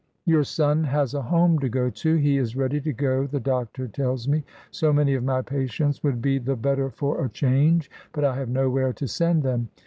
"Your son has a home to go to; he is ready to go, the doctor tells me. So many of my patients would be the better few: a change, but I have nowhere to send them.